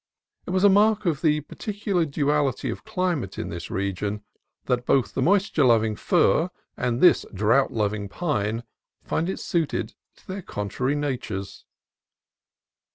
It was a mark of the peculiar duality of climate in this region that both the moisture loving fir and this drought loving pine find it suited to their contrary natures.